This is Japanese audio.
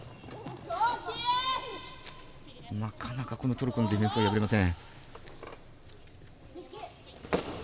なかなかトルコのディフェンスを破れません。